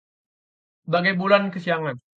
Bagai bulan kesiangan